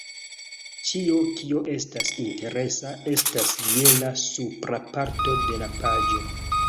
Ĉio kio estas interesa estas je la supra parto de la paĝo